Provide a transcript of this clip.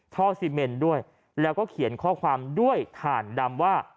ซีเมนด้วยแล้วก็เขียนข้อความด้วยถ่านดำว่า